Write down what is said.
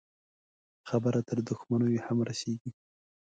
خبره تر دښمنيو هم رسېږي.